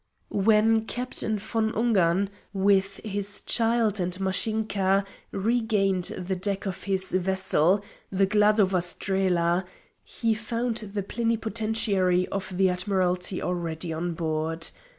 When Captain Von Ungern, with his child and Mashinka, regained the deck of his vessel, the Gladova Strela, he found the plenipotentiary of the Admiralty already on board.